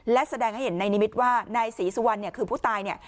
และแสดงให้เห็นในนิมิติว่านายศรีสุวรรณคือผู้ตาย